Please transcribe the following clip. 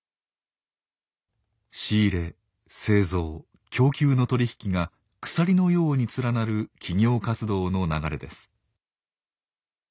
仕入れ製造供給の取り引きが鎖のように連なる企業活動の流れです。